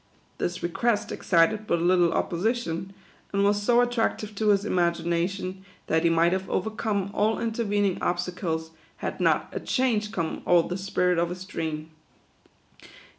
This request excited but little opposition, and was so aitrac tive to his imagination, that he might have overcome all intervening obstacles, had not " a change come o'er the spirit of his dream."